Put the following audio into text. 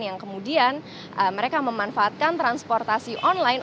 yang kemudian mereka memanfaatkan transportasi online